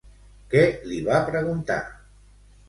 Què li va preguntar?